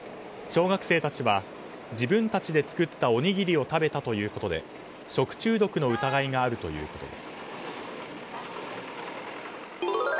小学生たちは自分たちで作ったおにぎりを食べたということで食中毒の疑いがあるということです。